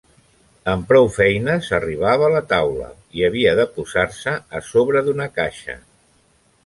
Amb prou feines arribava a la taula i havia de posar-se a sobre d'una caixa.